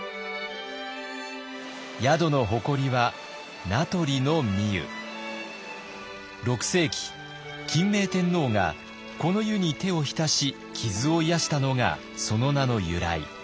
宿の誇りは６世紀欽明天皇がこの湯に手を浸し傷を癒やしたのがその名の由来。